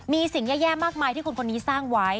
มีสิ่งแย่มากมายที่คนคนนี้สร้างไว้